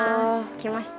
来ました。